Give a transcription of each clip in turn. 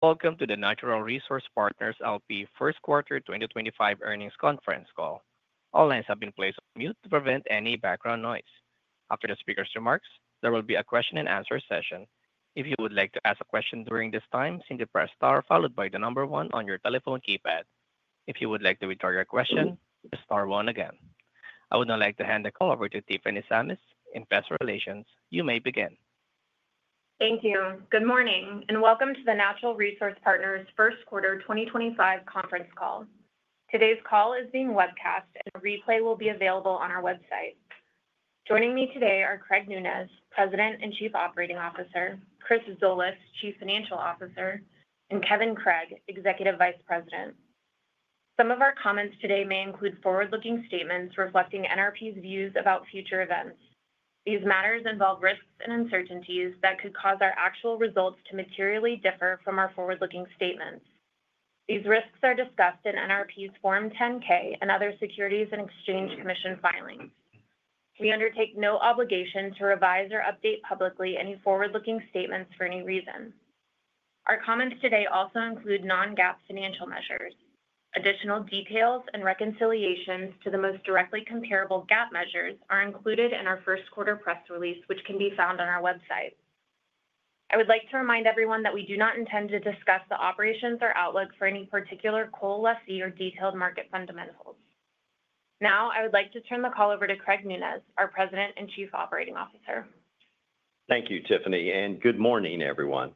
Welcome to the Natural Resource Partners L.P. First Quarter 2025 Earnings Conference Call. All lines have been placed on mute to prevent any background noise. After the speaker's remarks, there will be a question-and-answer session. If you would like to ask a question during this time, simply press star followed by the number one on your telephone keypad. If you would like to withdraw your question, press star one again. I would now like to hand the call over to Tiffany Sammis, Investor Relations. You may begin. Thank you. Good morning and welcome to the Natural Resource Partners First Quarter 2025 Conference Call. Today's call is being webcast, and a replay will be available on our website. Joining me today are Craig Nunez, President and Chief Operating Officer; Chris Zolas, Chief Financial Officer; and Kevin Craig, Executive Vice President. Some of our comments today may include forward-looking statements reflecting NRP's views about future events. These matters involve risks and uncertainties that could cause our actual results to materially differ from our forward-looking statements. These risks are discussed in NRP's Form 10-K and other Securities and Exchange Commission filings. We undertake no obligation to revise or update publicly any forward-looking statements for any reason. Our comments today also include non-GAAP financial measures. Additional details and reconciliations to the most directly comparable GAAP measures are included in our first quarter press release, which can be found on our website. I would like to remind everyone that we do not intend to discuss the operations or outlook for any particular coal lease or detailed market fundamentals. Now, I would like to turn the call over to Craig Nunez, our President and Chief Operating Officer. Thank you, Tiffany, and good morning, everyone.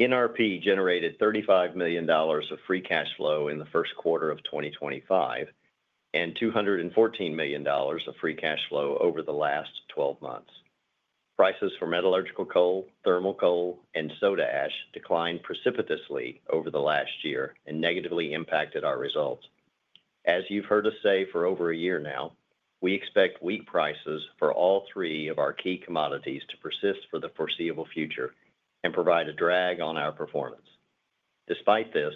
NRP generated $35 million of free cash flow in the first quarter of 2025 and $214 million of free cash flow over the last 12 months. Prices for metallurgical coal, thermal coal, and soda ash declined precipitously over the last year and negatively impacted our results. As you've heard us say for over a year now, we expect weak prices for all three of our key commodities to persist for the foreseeable future and provide a drag on our performance. Despite this,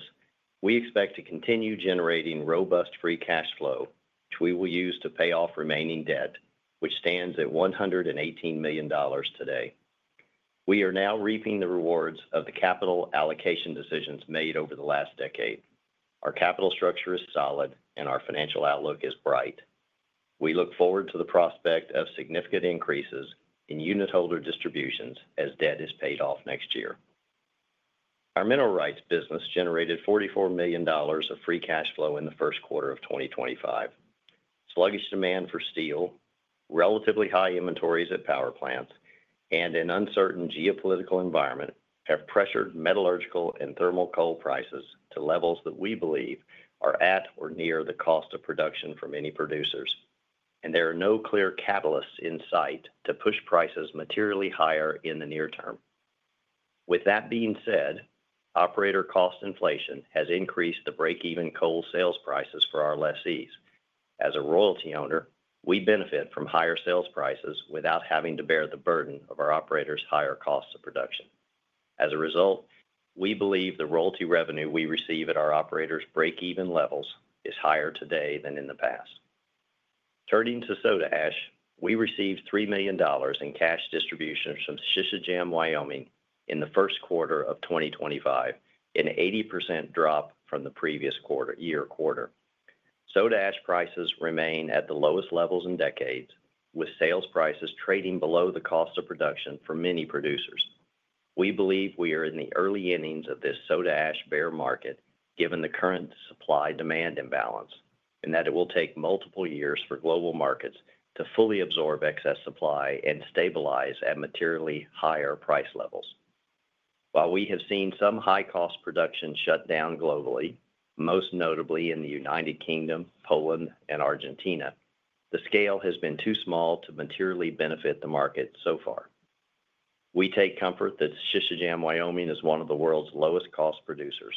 we expect to continue generating robust free cash flow, which we will use to pay off remaining debt, which stands at $118 million today. We are now reaping the rewards of the capital allocation decisions made over the last decade. Our capital structure is solid, and our financial outlook is bright. We look forward to the prospect of significant increases in unit holder distributions as debt is paid off next year. Our mineral rights business generated $44 million of free cash flow in the first quarter of 2025. Sluggish demand for steel, relatively high inventories at power plants, and an uncertain geopolitical environment have pressured metallurgical and thermal coal prices to levels that we believe are at or near the cost of production for many producers, and there are no clear catalysts in sight to push prices materially higher in the near term. With that being said, operator cost inflation has increased the break-even coal sales prices for our lessees. As a royalty owner, we benefit from higher sales prices without having to bear the burden of our operators' higher costs of production. As a result, we believe the royalty revenue we receive at our operators' break-even levels is higher today than in the past. Turning to soda ash, we received $3 million in cash distributions from Sisecam Wyoming in the first quarter of 2025, an 80% drop from the previous quarter-year quarter. Soda ash prices remain at the lowest levels in decades, with sales prices trading below the cost of production for many producers. We believe we are in the early innings of this soda ash bear market, given the current supply-demand imbalance, and that it will take multiple years for global markets to fully absorb excess supply and stabilize at materially higher price levels. While we have seen some high-cost production shut down globally, most notably in the United Kingdom, Poland, and Argentina, the scale has been too small to materially benefit the market so far. We take comfort that Sisecam Wyoming is one of the world's lowest-cost producers.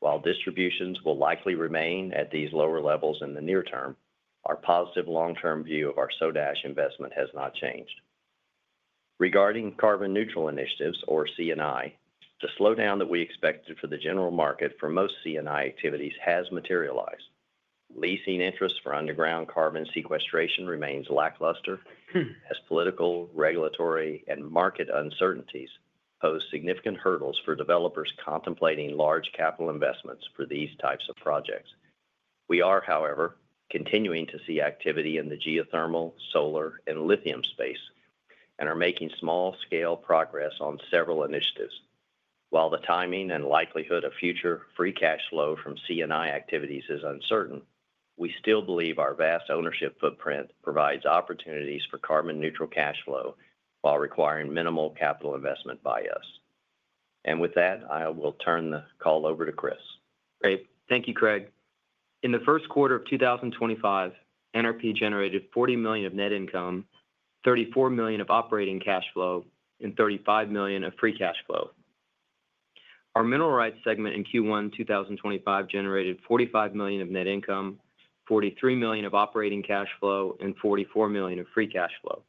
While distributions will likely remain at these lower levels in the near term, our positive long-term view of our soda ash investment has not changed. Regarding carbon-neutral initiatives, or CNI, the slowdown that we expected for the general market for most CNI activities has materialized. Leasing interest for underground carbon sequestration remains lackluster, as political, regulatory, and market uncertainties pose significant hurdles for developers contemplating large capital investments for these types of projects. We are, however, continuing to see activity in the geothermal, solar, and lithium space and are making small-scale progress on several initiatives. While the timing and likelihood of future free cash flow from CNI activities is uncertain, we still believe our vast ownership footprint provides opportunities for carbon-neutral cash flow while requiring minimal capital investment by us. With that, I will turn the call over to Chris. Craig, thank you, Craig. In the first quarter of 2025, NRP generated $40 million of net income, $34 million of operating cash flow, and $35 million of free cash flow. Our mineral rights segment in Q1 2025 generated $45 million of net income, $43 million of operating cash flow, and $44 million of free cash flow.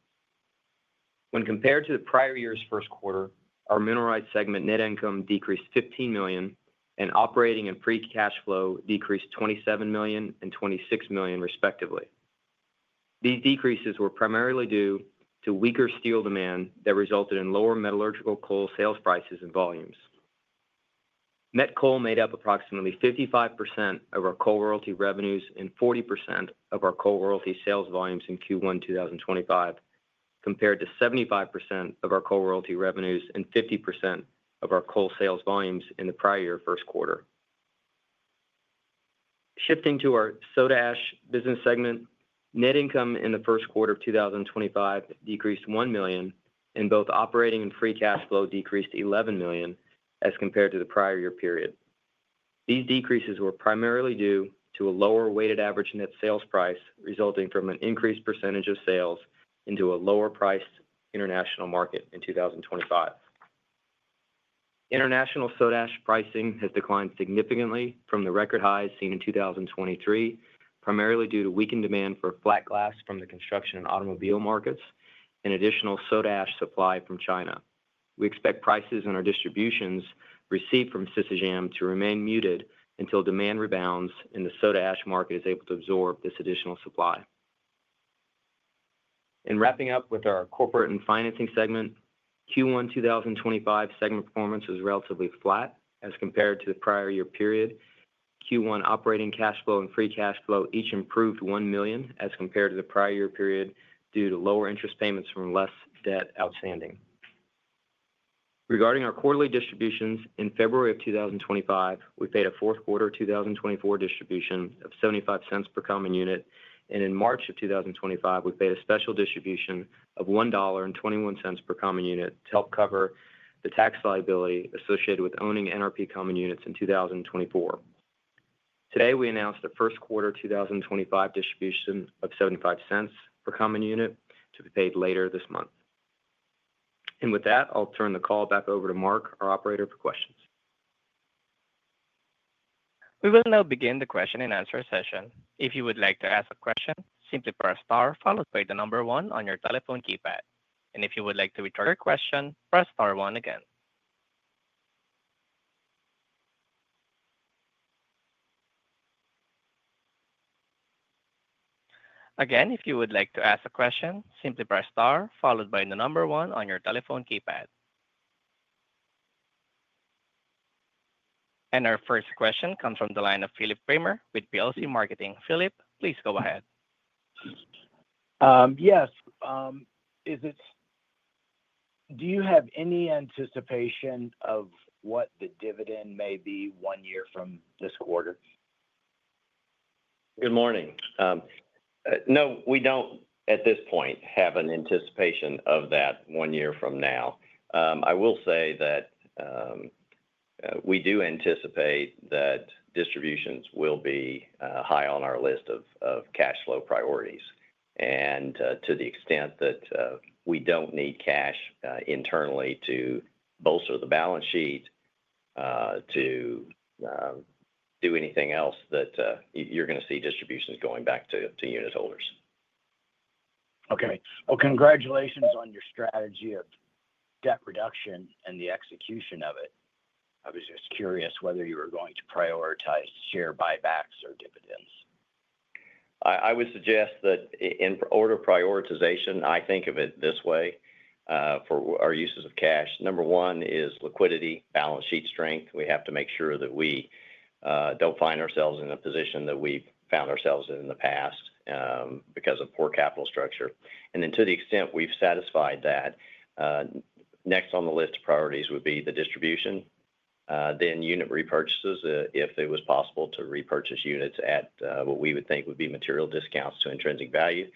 When compared to the prior year's first quarter, our mineral rights segment net income decreased $15 million, and operating and free cash flow decreased $27 million and $26 million, respectively. These decreases were primarily due to weaker steel demand that resulted in lower metallurgical coal sales prices and volumes. Met coal made up approximately 55% of our coal royalty revenues and 40% of our coal royalty sales volumes in Q1 2025, compared to 75% of our coal royalty revenues and 50% of our coal sales volumes in the prior year first quarter. Shifting to our soda ash business segment, net income in the first quarter of 2025 decreased $1 million, and both operating and free cash flow decreased $11 million as compared to the prior year period. These decreases were primarily due to a lower weighted average net sales price resulting from an increased percentage of sales into a lower-priced international market in 2025. International soda ash pricing has declined significantly from the record highs seen in 2023, primarily due to weakened demand for flat glass from the construction and automobile markets and additional soda ash supply from China. We expect prices and our distributions received from Sisecam Wyoming to remain muted until demand rebounds and the soda ash market is able to absorb this additional supply. Wrapping up with our corporate and financing segment, Q1 2025 segment performance was relatively flat as compared to the prior year period. Q1 operating cash flow and free cash flow each improved $1 million as compared to the prior year period due to lower interest payments from less debt outstanding. Regarding our quarterly distributions, in February of 2025, we paid a fourth quarter 2024 distribution of $0.75 per common unit, and in March of 2025, we paid a special distribution of $1.21 per common unit to help cover the tax liability associated with owning NRP common units in 2024. Today, we announced a first quarter 2025 distribution of $0.75 per common unit to be paid later this month. With that, I'll turn the call back over to Mark, our operator, for questions. We will now begin the question-and-answer session. If you would like to ask a question, simply press star followed by the number one on your telephone keypad. If you would like to withdraw your question, press star one again. If you would like to ask a question, simply press star followed by the number one on your telephone keypad. Our first question comes from the line of Philip Kramer with Plains Marketing. Philip, please go ahead. Yes. Do you have any anticipation of what the dividend may be one year from this quarter? Good morning. No, we don't at this point have an anticipation of that one year from now. I will say that we do anticipate that distributions will be high on our list of cash flow priorities. To the extent that we don't need cash internally to bolster the balance sheet, to do anything else, you're going to see distributions going back to unit holders. Okay. Congratulations on your strategy of debt reduction and the execution of it. I was just curious whether you were going to prioritize share buybacks or dividends. I would suggest that in order of prioritization, I think of it this way for our uses of cash. Number one is liquidity, balance sheet strength. We have to make sure that we don't find ourselves in a position that we found ourselves in in the past because of poor capital structure. To the extent we've satisfied that, next on the list of priorities would be the distribution, then unit repurchases if it was possible to repurchase units at what we would think would be material discounts to intrinsic value.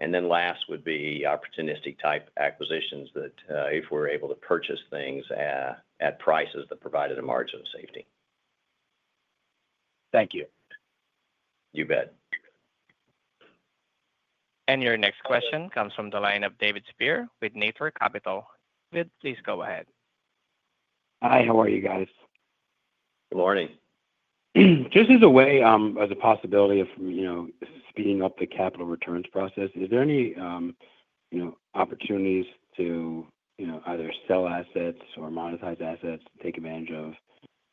Last would be opportunistic-type acquisitions that if we're able to purchase things at prices that provide a margin of safety. Thank you. You bet. Your next question comes from the line of David Spier with Nitor Capital. David, please go ahead. Hi, how are you guys? Good morning. Just as a way, as a possibility of speeding up the capital returns process, is there any opportunities to either sell assets or monetize assets, take advantage of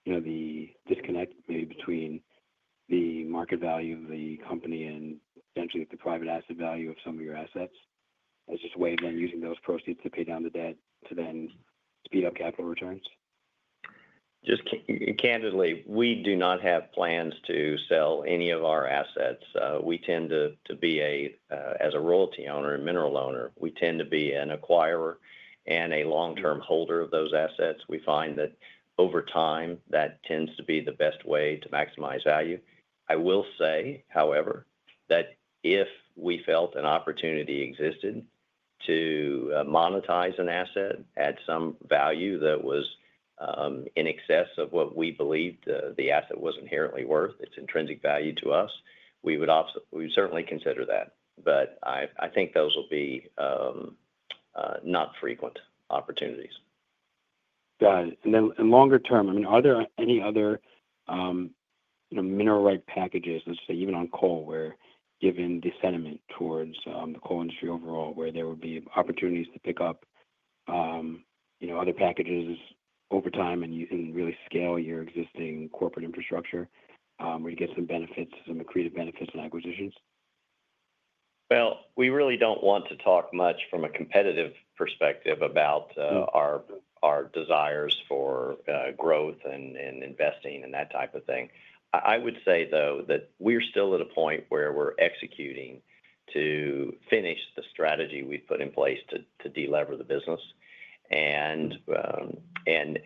the disconnect maybe between the market value of the company and potentially the private asset value of some of your assets as just a way of then using those proceeds to pay down the debt to then speed up capital returns? Just candidly, we do not have plans to sell any of our assets. We tend to be a, as a royalty owner, a mineral owner, we tend to be an acquirer and a long-term holder of those assets. We find that over time, that tends to be the best way to maximize value. I will say, however, that if we felt an opportunity existed to monetize an asset at some value that was in excess of what we believed the asset was inherently worth, its intrinsic value to us, we would certainly consider that. I think those will be not frequent opportunities. Got it. In longer term, I mean, are there any other mineral rights packages, let's say even on coal, where given the sentiment towards the coal industry overall, where there would be opportunities to pick up other packages over time and really scale your existing corporate infrastructure where you get some benefits, some accretive benefits and acquisitions? We really do not want to talk much from a competitive perspective about our desires for growth and investing and that type of thing. I would say, though, that we are still at a point where we are executing to finish the strategy we have put in place to delever the business.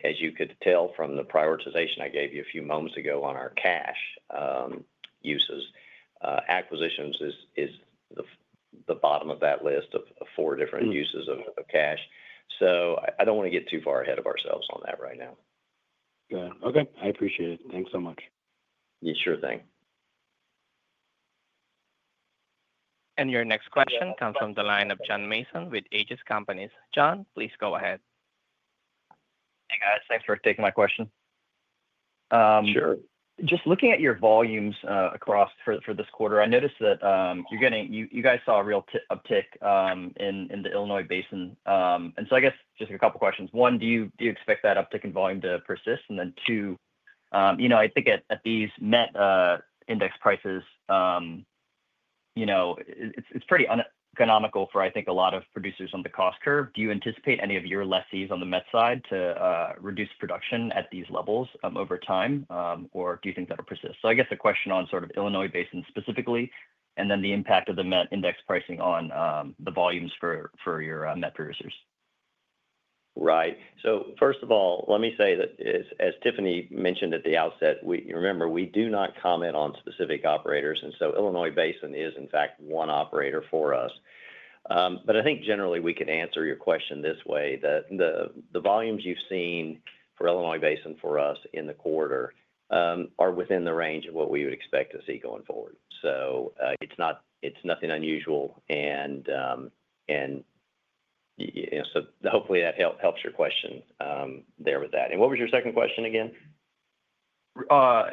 As you could tell from the prioritization I gave you a few moments ago on our cash uses, acquisitions is the bottom of that list of four different uses of cash. I do not want to get too far ahead of ourselves on that right now. Yeah. Okay. I appreciate it. Thanks so much. You sure thing. Your next question comes from the line of John Mason with Aegis Companies. John, please go ahead. Hey, guys. Thanks for taking my question. Sure. Just looking at your volumes across for this quarter, I noticed that you guys saw a real uptick in the Illinois Basin. I guess just a couple of questions. One, do you expect that uptick in volume to persist? Two, I think at these MET index prices, it's pretty uneconomical for, I think, a lot of producers on the cost curve. Do you anticipate any of your lessees on the met side to reduce production at these levels over time, or do you think that'll persist? I guess a question on sort of Illinois Basin specifically, and then the impact of the MET index pricing on the volumes for your met producers. Right. First of all, let me say that as Tiffany mentioned at the outset, remember, we do not comment on specific operators. Illinois Basin is, in fact, one operator for us. I think generally we can answer your question this way. The volumes you have seen for Illinois Basin for us in the quarter are within the range of what we would expect to see going forward. It is nothing unusual. Hopefully that helps your question there with that. What was your second question again? I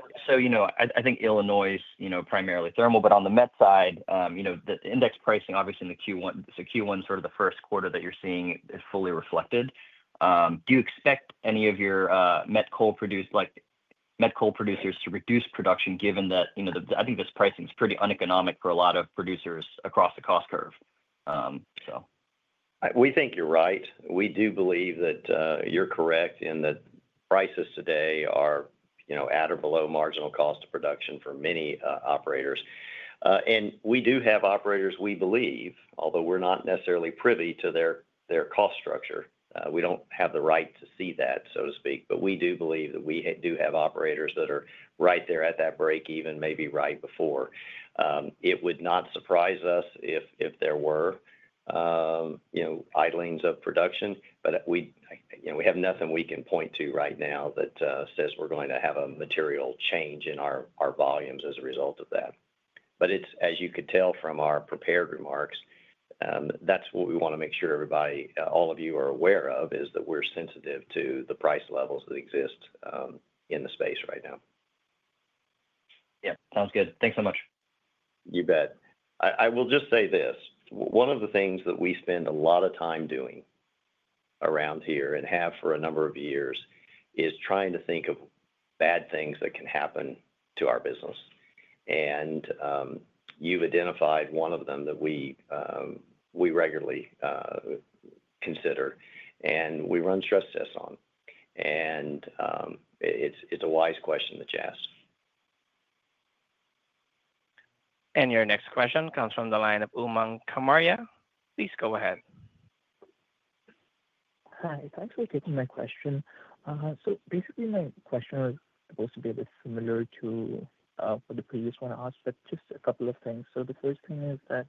think Illinois is primarily thermal, but on the met side, the index pricing, obviously in the Q1, so Q1 is sort of the first quarter that you're seeing is fully reflected. Do you expect any of your met coal producers to reduce production given that I think this pricing is pretty uneconomic for a lot of producers across the cost curve? We think you're right. We do believe that you're correct in that prices today are at or below marginal cost of production for many operators. We do have operators we believe, although we're not necessarily privy to their cost structure. We don't have the right to see that, so to speak. We do believe that we do have operators that are right there at that break-even, maybe right before. It would not surprise us if there were idlings of production. We have nothing we can point to right now that says we're going to have a material change in our volumes as a result of that. As you could tell from our prepared remarks, that's what we want to make sure everybody, all of you are aware of, is that we're sensitive to the price levels that exist in the space right now. Yeah. Sounds good. Thanks so much. You bet. I will just say this. One of the things that we spend a lot of time doing around here and have for a number of years is trying to think of bad things that can happen to our business. You have identified one of them that we regularly consider, and we run stress tests on. It is a wise question that you asked. Your next question comes from the line of Uman Kamarya. Please go ahead. Hi. Thanks for taking my question. Basically, my question was supposed to be a bit similar to the previous one I asked, but just a couple of things. The first thing is that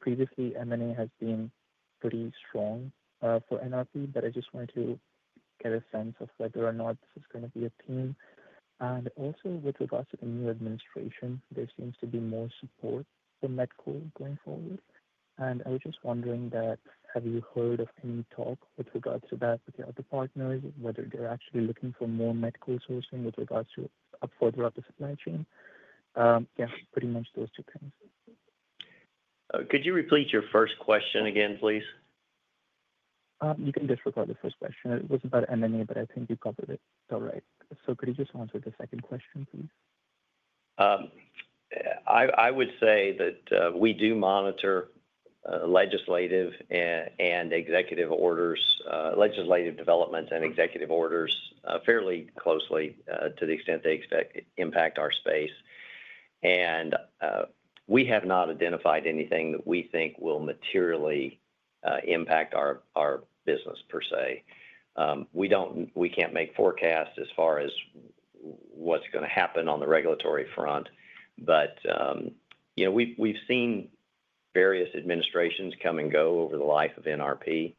previously, M&A has been pretty strong for NRP, but I just wanted to get a sense of whether or not this is going to be a theme. Also, with regards to the new administration, there seems to be more support for met coal going forward. I was just wondering, have you heard of any talk with regards to that with your other partners, whether they're actually looking for more met coal sourcing further up the supply chain? Yeah, pretty much those two things. Could you repeat your first question again, please? You can disregard the first question. It was about M&A, but I think you covered it all right. Could you just answer the second question, please? I would say that we do monitor legislative and executive orders, legislative developments and executive orders fairly closely to the extent they impact our space. We have not identified anything that we think will materially impact our business per se. We can't make forecasts as far as what's going to happen on the regulatory front, but we've seen various administrations come and go over the life of NRP,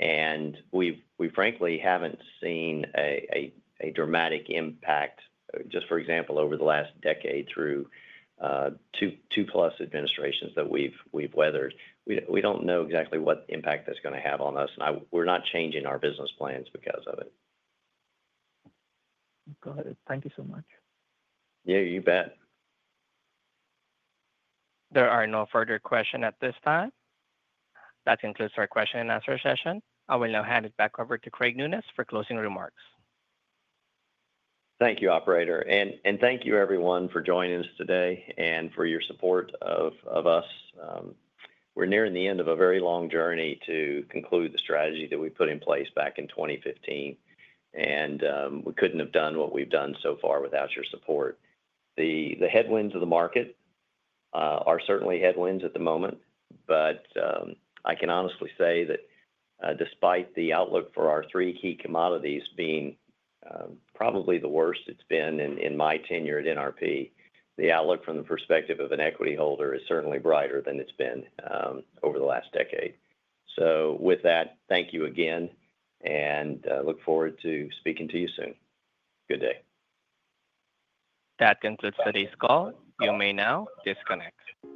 and we frankly haven't seen a dramatic impact, just for example, over the last decade through two-plus administrations that we've weathered. We don't know exactly what impact that's going to have on us, and we're not changing our business plans because of it. Got it. Thank you so much. Yeah, you bet. There are no further questions at this time. That concludes our question-and-answer session. I will now hand it back over to Craig Nunez for closing remarks. Thank you, operator. Thank you, everyone, for joining us today and for your support of us. We're nearing the end of a very long journey to conclude the strategy that we put in place back in 2015. We couldn't have done what we've done so far without your support. The headwinds of the market are certainly headwinds at the moment. I can honestly say that despite the outlook for our three key commodities being probably the worst it's been in my tenure at NRP, the outlook from the perspective of an equity holder is certainly brighter than it's been over the last decade. Thank you again, and look forward to speaking to you soon. Good day. That concludes today's call. You may now disconnect.